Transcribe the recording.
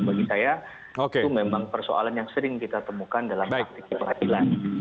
bagi saya itu memang persoalan yang sering kita temukan dalam praktik di pengadilan